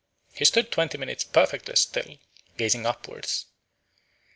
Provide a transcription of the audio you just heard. He stood twenty minutes perfectly still, gazing upwards.